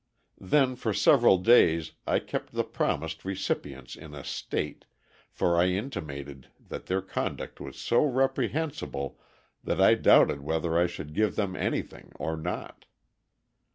Then for several days I kept the promised recipients in a "state," for I intimated that their conduct was so reprehensible that I doubted whether I should give them anything or not.